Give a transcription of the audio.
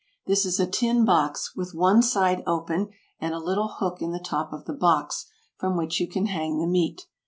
This is a tin box, with one side open and a little hook in the top of the box, from which you can hang the meat.